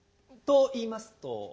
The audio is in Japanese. といいますと？